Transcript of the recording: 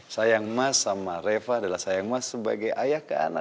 sayang mas sama reva adalah sayang mas sebagai ayah ke anak